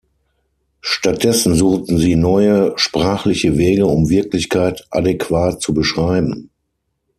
Stattdessen suchten sie neue sprachliche Wege, um Wirklichkeit adäquat zu beschreiben.